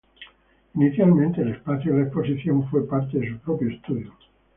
Inicialmente, el espacio de la exposición fue parte de su propio estudio.